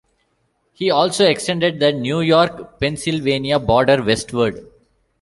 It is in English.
He also extended the New York - Pennsylvania border westward.